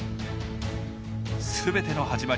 全ての始まり